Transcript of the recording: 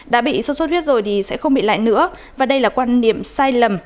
đã bị suốt suốt huyết rồi thì sẽ không bị lại nữa và đây là quan điểm sai lầm